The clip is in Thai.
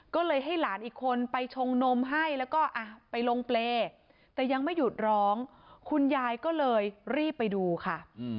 ก็เลยให้หลานอีกคนไปชงนมให้แล้วก็ไปลงเปรย์แต่ยังไม่หยุดร้องคุณยายก็เลยรีบไปดูค่ะ